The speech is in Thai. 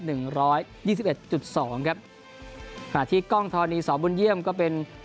หนึ่งร้อยยี่สิบเอ็ดจุดสองครับขณะที่กล้องธรณีสอบุญเยี่ยมก็เป็น